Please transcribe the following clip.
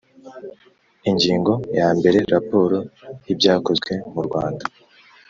Ingingo ya mbere Raporo y ibyakozwe murwanda